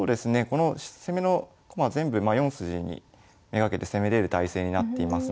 この攻めの駒全部４筋に目がけて攻めれる態勢になっていますので。